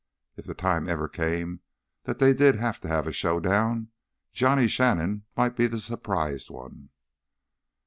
If the time ever came that they did have to have a showdown, Johnny Shannon might be the surprised one.